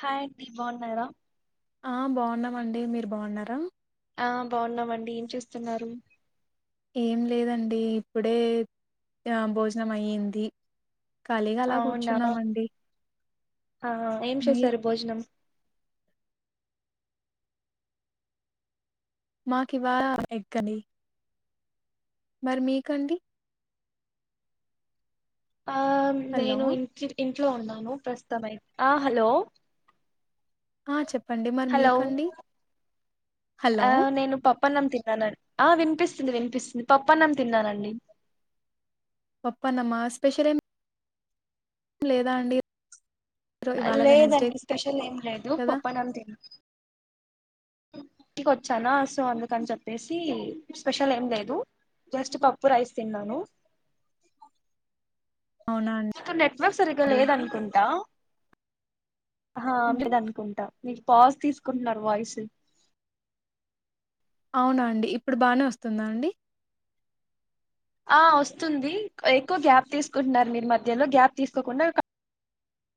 హాయండి బాగున్నారా ఆ బాగున్నామండి మీరు బాగున్నారా ఆ బాగున్నామండి ఏం చేస్తున్నారు ఏం లేదండి ఇప్పుడే భోజనం అయ్యింది కలిగ అలా అవునా కూర్చున్నామండి ఆ ఏం మీరు చేశారు భోజనం మాకు ఇవాళ ఎగ్ కర్రీ మరి మీకండి ఆ హలో నేను ఇ ఇంట్లో ఉన్నాను ప్రస్తుతం అతే ఆ హలో ఆ చెప్పండి మరి హలో మీకండి హలో ఆ నేను పప్పన్నం తిన్నానండి ఆ వినిపిస్తుంది వినిపిస్తుంది పప్పన్నం తిన్నానండి పప్పనమ్మా స్పెషల్ ఏం లేదా అండి. ఈరో- ఇవాళ వెనస్డే లేదండి స్పెషల్ ఏం లేదు పప్పన్నం తిన అ ఇంటికి వచ్చానా సో అందుకని చెప్పేసి స్పెషల్ ఏం లేదు. జస్ట్ పప్పు, రైస్ తిన్నాను అవునా అండి. మీకు నెట్వర్క్ సరిగ్గా లేదనుకుంటా ఆహా లేదనుకుంటా మీక్ పాస్ తీసుకుంటున్నారు వాయిస్ అవునా అండి ఇప్పుడు బాగా వస్తుందా అండి ఆ వస్తుంది ఎక్కువ గ్యాప్ తీసుకుంటున్నారు మీరు మధ్యలో గ్యాప్ తీసుకోకుండా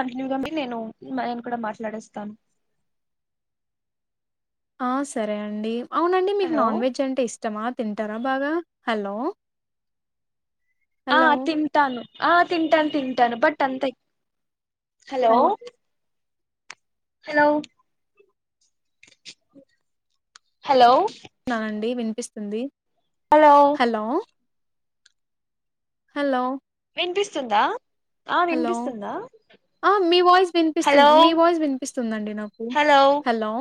కంటిన్యూగాండి నేను నేను కూడా మాట్లాడేస్తాను. ఆ సరే అండి అవునండి మీకు హలో నాన్ వెజ్ అంటే ఇష్టమా తింటారా బాగా హలో ఆ హలో తింటాను ఆ తింటాన్ తింటాను బట్ అంతా హలో హలో హలో నా అండి వినిపిస్తుంది హలో హలో వినిపిస్తుందా ఆ హలో వినిపిస్తుందా ఆ మీ వాయిస్ హలో వినిపిస్తుంది మీ వాయిస్ వినిపిస్తుందండి నాకు హలో హలో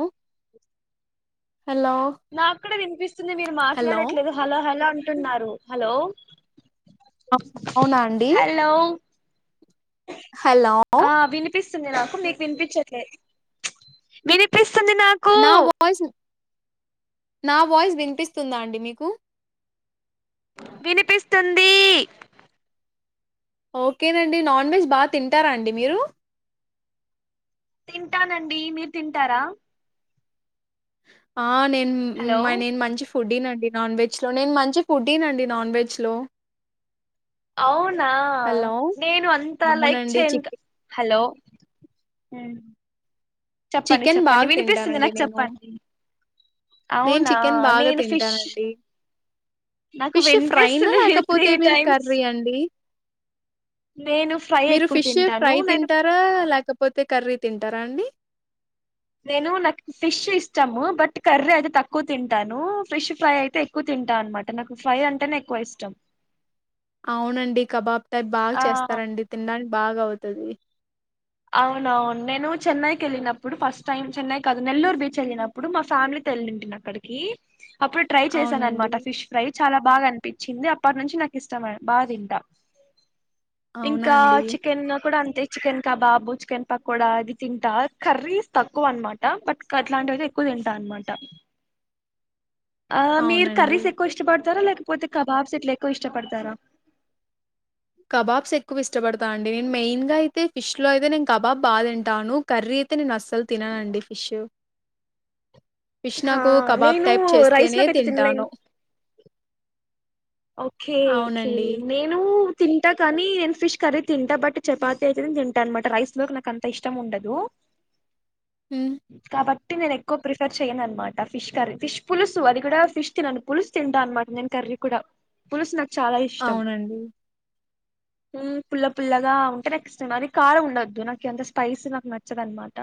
హలో నాకుడా వినిపిస్తుంది మీరు హలో. మాట్లాడట్లేదు హలో హలో అంటున్నారు హలో అవునా అండి హలో హలో ఆ వినిపిస్తుంది నాకు మీకు వినిపించట్లే వినిపిస్తుంది నాకు నా వాయిస్ నా వాయిస్ వినిపిస్తుందా అండి మీకు వినిపిస్తుందీ ఓకేనండి నాన్ వెజ్ బాగా తింటారా అండి మీరు తింటానండి మీరు తింటారా ఆ నేన్ హలో మ [unintelligible] నేను మంచి ఫుడ్డి నండి నాన్ వెజ్ లో నేను మంచి ఫుడ్డి నండి నాన్ వెజ్ లో అవునా హలో నేను అంత లైక్ అవునండి చేయను క చికెన్ హలో హ్మ్ చెప్పండి చికెన్ బాగా చెప్పండి వినిపిస్తుంది నాకు చెప్పండి. నేన్ అవునా చికెన్ బాగా నేను ఫిష్ తింటానండి. నాకు ఫిష్ ఫ్రై నా వినిపిస్తుంది మీరు త్రీ లేకపోతే మీరు టైమ్స్ కర్రీ అండి నేను ఫ్రై మీరు ఎక్కువ ఫిష్ తింటాను ఫ్రై నేను తింటారా లేకపో తే కర్రీ తింటారా అండి. నేను నాక్ ఫిష్ ఇష్టము బట్ కర్రీ అయితే తక్కువ తింటాను ఫిష్ ఫ్రై అయితే ఎక్కువ తి తింటా అనమాట నాకు ఫ్రై అంటేనే ఎక్కువ ఇష్టం. అవునండి కబాబ్ టైప్ బా ఆ చేస్తారండి తిండానికి బాగవుతది. అవునవున్ నేను చెన్నైకి ఎళ్ళినప్పుడు ఫస్ట్ టైమ్ చెన్నై కాదు నెల్లూరు బీచ్ ఎళ్ళినప్పుడు మా ఫ్యామిలీ తెలింటిని అక్కడికి అప్పుడు ట్రై చేశాను అవునండి. అన్మాట ఫిష్ ఫ్రై చాలా బాగా అనిపించింది అప్పట్నుంచి నాకిష్టమే బాగా తింటా అవునా ఇంకా అండి? చికెన్లో కుడా అంతే చికెన్ కబాబు, చికెన్ పకోడా అది తింటా కర్రీస్ తక్కువ అన్మాట బట్ అట్లాంటివైతే ఎక్కువ తింటా మంటా [inaudible] ఆ మీర్ అవునండి. కర్రీస్ ఎక్కువ ఇష్టప తరా లేకపోతే కబాబ్స్ ఇట్లా ఎక్కువ ఇష్టపడతారా కబాబ్స్ ఎక్కువ ఇష్టపడతా అండి నేను మెయిన్ గా అయితే ఫిష్ లో అయితే నేను కబాబ్ బాగా తిం టాను కర్రీ అయితే నేను అస్సలు తిననండి ఫిష్ ఫిష్ హా నాకు కబాబ్ నేను టైప్ రైస్ చేస్తేనే లోకైతే తినలేను తింటాను ఓకే ఓకే అవునండి. నేను తింటా కానీ నేను ఫిష్ కర్రీ తింటా బట్ చపాతి అయితేనే తింటా అనమాట రైస్ లోకి నాకు అంత ఇష్టం ఉండదు [inaudible] కాబట్ ట్టి నేను ఎక్కువ ప్రిఫర్ చేయను అనమాట ఫిష్ కర్రీ ఫిష్ పులుసు అది కూడా ఫిష్ తినను పులుసు తింటా అనమాట నేను కర్రీ కూడా పులుస్ అవునండి ఉమ్ పుల్ల పుల్లగా ఉంటే నాకిష్టం అది కారం ఉండద్దు నాకు ఎంత స్పైసీ నాకు నచ్చదన్న మాట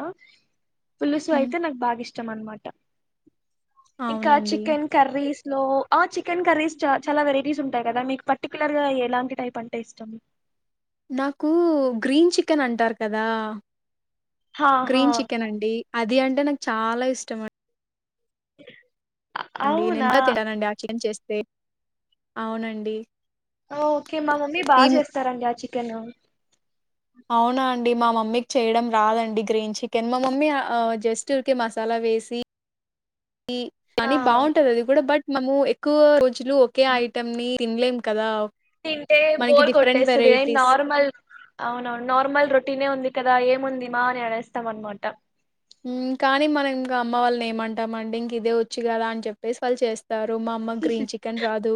పులుసు హ్మ్. అయితే నాకు బాగా ఇష్టం అన్నమాట ఇంకా అవునండి. చికెన్ కర్రీస్ నో ఆ చికెన్ కర్రీస్ చ చాలా వెరైటీస్ ఉంటాయి కదా మీకు పర్టిక్యులర్ గా ఎలాంటి టైప్ అంటే ఇష్టం నాకు గ్రీన్ చికెన్ అంటారు కదా హా హా గ్రీన్ చికెన్ అండి అది అంటే నాకు చాలా ఇష్టం అ అండి నేను అవునా ఎంత తిననండి ఆ చికెన్ చేస్తే అవునండి ఓ ఓకే మా మమ్మీ బాగా ఇం చేస్తారండి ఆ చికెన్ అవునా అండి మా మమ్మీకి చేయడం రాదండి గ్రీన్ చికెన్ మా మమ్మీ జస్ట్ ఊరికే మసాలా వేసి ఆ కానీ బాగుంటది అది కూడా బట్ మనము ఎక్కువ రోజులు ఒకే ఐటమ్ ని తినలేం కదా తింటేనే మనకి బోర్ డిఫరెంట్ కొట్టేస్తది వెరైటీస్ నార్మల్ అవునవును నార్మల్ రొటీనే ఉంది కదా ఏముంది మా అని అనేస్తాం అనమాట ఉమ్ కానీ మనం ఇంకా అమ్మ వాళ్ళని ఏమంటామండి ఇంక ఇదే వచ్చూ కదా అని చెప్పేసి వాళ్ళు చేస్త స్తారు మా అమ్మ గ్రీన్ చికెన్ రాదు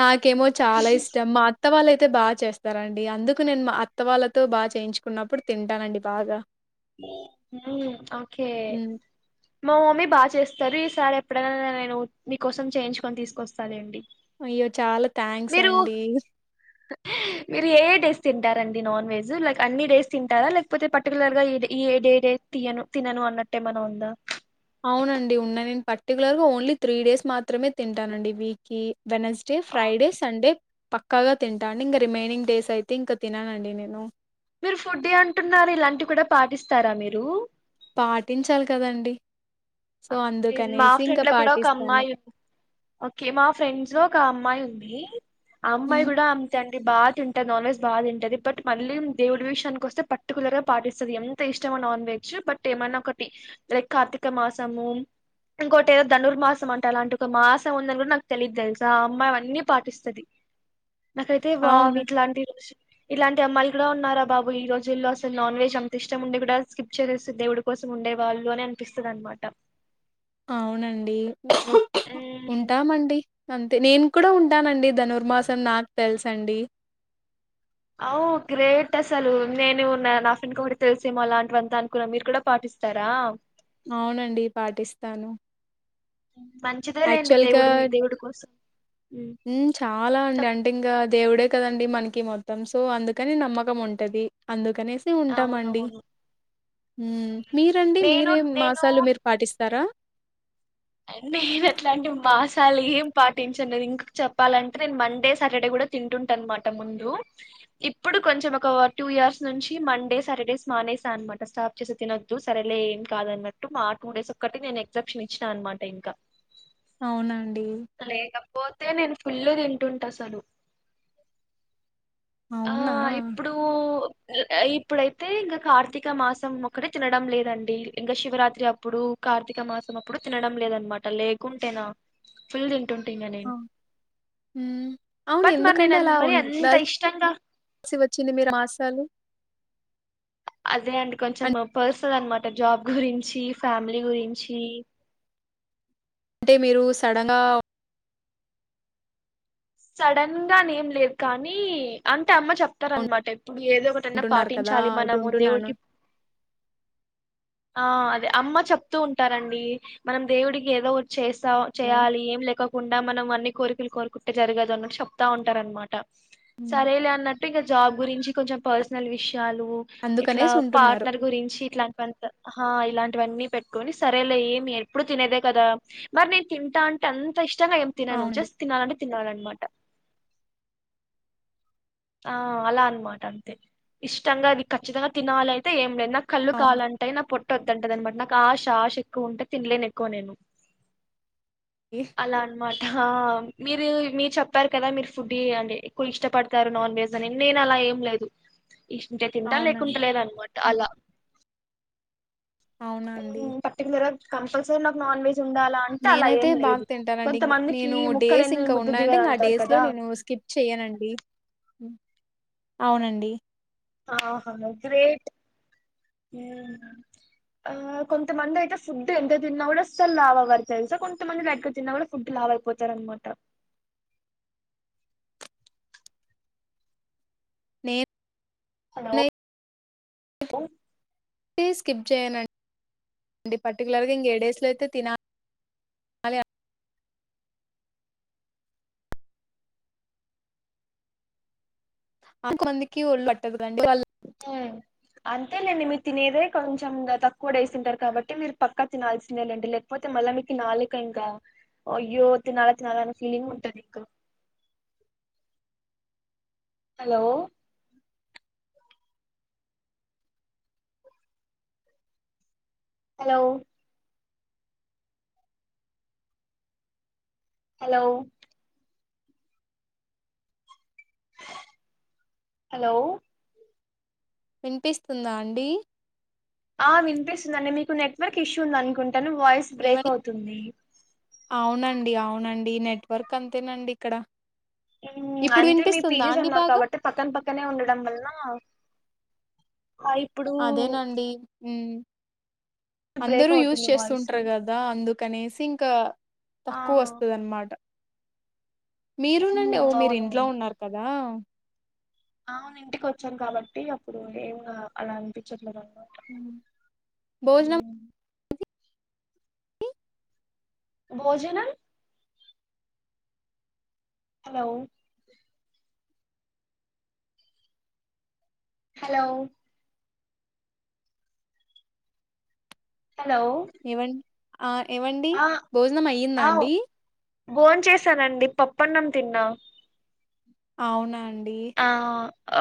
నాకేమో చాలా ఇష్టం మా అత్త వాళ్ళు అయితే బాగా చేస్తారండి అందుకు నేను మా అత్త వాళ్ళతో బాగా చేయించుకున్నప్పుడు తింటానండి బాగా ఉమ్ ఓకే హ్మ్ మా మమ్మీ బాగా చేస్తాది ఈ సారి ఎప్పుడైనా నేను మీకోసం చేయించుకొని తీసుకొస్తా లేండి అయ్యో చాలా థ్యాంక్స్ అండి మీరు ఏ డేస్ తింటారండి నాన్ వెజ్ లైక్ అన్ని డేస్ తింటారా లేకపోతే పర్టికులర్ గా ఈ డే ఈ ఏడే డే తినను తినను అన్నట్టేమన్నా ఉందా అవునండి ఉన్నది నేను పర్టికులర్ గా ఓన్లీ త్రీ డేస్ మాత్రమే తింటానండి వీక్ కి వెడ్నెస్డే ఫ్రైడే సండే ప పక్కాగా తింటా అండి ఇంక రిమైనింగ్ డేస్ అయితే ఇంకా తిననండి నేను మీరు ఫుడ్డీ అంటున్నారు ఇలాంటివి కూడా పాటిస్తారా మీరు పాటించాలి కదండి ఆ ఓకే మా ఫ్రెండ్ లో కూడా ఒక పాటిస్తాను. అమ్మాయి ఓకే మా ఫ్రెండ్స్ లో ఒక అమ్మాయి ఉంది ఆ అమ్మాయి హ్మ్. కూడా అంతే బాగా తింటాది నాన్ వెజ్ బాగా తింటది బట్ మళ్ళీ దేవుడి విషయానికి వస్తే పర్టికులర్ గా పాటిస్తది ఎంత ఇష్టం నాన్ వెజ్ బట్ ఏమన్నా ఒకటి లైక్ కార్తీక మాసము ఇంకోటి ఏదో ధనుర్మాసం అంటా అలాంటి ఒక మాసం ఉందని కూడా నాకు తెలీదు తెలుసా ఆ అమ్మాయి అన్నీ పాటిస్తది నాకైతే వావ్ అవును. ఇట్లాంటి రోజు ఇలాంటి అమ్మాయిలు కూడా ఉన్నారా బాబు ఈ రోజుల్లో అసలు నాన్ వెజ్ అంత ఇష్టం ఉండి కూడా స్కిప్ చేసేసి దేవుడి కోసం ఉండే వాళ్ళు అని అనిపిస్తది అనమాట అవునండి ఉంటామండి అం తే నేను కూడా ఉంటానండి ధనుర్మాసం నాకు తెలుస అండి ఓ గ్రేట్ అసలు నేను నా ఫ్రెండ్ కి ఒకటే తెలిసేమో అలాంటి వంతా అనుకున్నా మీరు కూడా పాటిస్త స్తారా అవునండి పాటిస్తాను మంచిదే లేండి దేవుడు మీ దేవుడి కోసం ఉమ్ చాలా అండి చెప్ అంటే ఇంకా దేవుడే కదండి మనకి మొత్తం తిమ్సు అందుకని నమ్మకం ఉంటది. అందుకనేసి ఉంటాము అండి. అవునవును మ్ మీరండి నేను మీరేం నేను మాసాలు మీరు పాటిస్తారా? నేను అట్లాంటి మాసాలు ఏం పాటించను ఇంక చెప్పాలంటే నేను మండే సాటర్డే కూడా తింటుంట అనమాట ముందు ఇప్పుడు కొంచెం ఒక టూ ఇయర్స్ నుంచి మండే సాటర్డేస్ మా అనేసా అనమాటా స్టాప్ చేసి తినద్దు సరేలే ఏమి కాదు అన్నట్టు మా టూ డేస్ ఒక్కటి నేను ఎగ్జిబిషన్ ఇచ్చినా అనమాటే ఇంకా అవునండి. బోతే నేను ఫుల్లు తింటుంట అసలు ఆ అవునా? ఇప్పుడు ఇప్పుడైతే ఇంకా కార్తీక మాసం ఒకటే తినడం లేదండి ఇంకా శివరాత్రి అప్పుడు కార్తీక మాసం అప్పుడు తినడం లేదనమాట లేకుంటేనా ఫుల్ తింటుంటే ఇంగా నేను ఉమ్ అవును బట్ మరి నేను ఎందుకండి అన్ అలా మరి అంత ఉండాల్ ఇష్టంగా లిసి వచ్చింది మీరు మాసాలు అదే అండి కొంచెం పర్సనల్ అనమాట జాబ్ గురించి ఫ్యామిలీ గురించి అంటే మీరు సడన్ గా సడన్ గానే ఏం లేదు కానీ అంటే అమ్మ చెప్తారనమాట ఇప్పుడు ఏదో ఒకటన్నా ఉంటున్నారు కదా! పాటించాలి. మనము ఇప్పుడుంటున్నాను. దేవుడికి ఆ అదే అమ్మ చెప్తూ ఉంటారండి. మనం దేవుడికి ఏదో ఓటి చేస్ చేయాలి ఏం లేకోకుండా మనం అన్ని కోరికలు కోరుకుంటే జరగదు అన్నట్టు చెప్తా ఉంటార అనమాట హ్మ్. సరేలే అన్నట్టు ఇంకా జాబ్ గురించి కొంచెం పర్సనల్ విష్ చాలు ఇట్లా అందుకనేసి ఉంటున్నారు. పార్ట్నర్ గురించి ఇట్లాంటి వన్నీ హా ఇలాంటివన్నీ పెట్టుకోని సరేలే ఏమీ ఎప్పుడు తినేదే కదా మరి నేను తింటా అంటే అంత ఇష్టం. ఇష్టంగా ఏం తినను అవునండి. జస్ట్ తిన్నాలంటే తినాలన్నమాట ఆ అలా అనమాట అంతే ఇష్టంగా అది ఖచ్చితంగా తినాలైతే ఏం లేద్ నాక్ కళ్ళు అవును. కాలంటయ్ నా పొట్ ట ఒద్దంటదనమాట నాకు ఆశ ఆశ ఎక్కువ ఉంటే తినలేను ఎక్కువ నేను అవునండి. అలా అనమాట హా మీరు మీరు చెప్పారు కదా మీరు ఫుడ్డి అంటే ఎక్కువ ఇష్టపడ్ తారు నాన్ వెజ్ అని నేను అలా ఏం లేదు ఇష్ తింటా అవునా? లేకుంటె లేదనమాట అలా అవునా అండి? ఉమ్ పర్టిక్లర్ గా కంపల్సర్ నాకు నన్ వెజ్ ఉండాలా అంటే అలా నేనైతే ఏం బాగా లేదు. తింటానండి. ఇంగ్ కొంతమందికి నేను ముక్కలేమిదే ముద్ద దిగదంటారు కదా చెయ్యనండి అవునండి. ఆహా నువ్ గ్రేట్ ఆ కొంతమంది అయితే ఫుడ్ ఎంత తిన్నా కూడా అసలు లావవరు తెలుసా కొంతమంది లైట్గా తిన్నా కూడా ఫుడ్ లావ్ వయిపోతారనమాట అ [inaudible] నేన్ హలో ఉ టీ స్కిప్ జేయనండి పర్టికులర్గా ఇంగా ఏ డేస్లో అయితే తిన అదే అంత మందికి ఒళ్ళు పట్టదండి వాళ్ళ హ్మ్ అంతేలేండి మీరు తినేదే కొంచెం ద తక్కువ డేస్ తింటారు కాబట్టి మీరు పక్కా తినాల్సిందే లేండి లేకపో పోతే మళ్ళా మీకు నాలుక ఇంకా అయ్యో తినాలా తినాలా అనే ఫీలింగ్ ఉంటంది. ఇంకా అ [inaudible] హలో హలో హలో హ్ హలో వినిపిస్తుందా? అండి ఆ వినిపిస్తుందండి మీకు నెట్వర్క్ ఇష్యూ ఉంది. అనుకుంటాను వాయిస్ బ్రేక్ ఏమని? అవుతుంది. అవునండి అవునండి నెట్వర్క్ అంతేనండి ఇక్కడ ఊమ్ ఇప్పుడు అంటే మీ వినిపిస్తుందా పీజీస్ అండి అన్నారు బాగా? కాబట్టి పక్కన పక్కనే ఉండడం వల్ల అదేనండి బ్రేక్ అందరూ యూజ్ అవుతుంది వాయిస్ చేస్తుంటారు గదా అందుకు కనేసి ఇంకా ఆ తక్కువ వస్తదనమాట ఉమ్ మీరునండి ఓ మీరు ఇంట్లో అవునవును ఉన్నారు కదా అవును ఇంటికి వచ్చాను కాబట్టి అప్పుడు ఏం అలా అనిపించట్లేదం భోజనం భోజనం హలో హలో హలో ఏవం ఆ ఏవండి భోజనం అయ్యిందా అండి భోం చేశానండి పప్పన్నం తిన్నా అవునా అం ఆ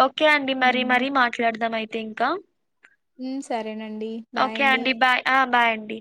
ఓకే అండి మరి మరి మాట్లాడదాం అయితే ఇంకా ఉమ్ సరేనండి బాయ్ ఓకే అండి బయ్ ఆ బాయ్ అం డి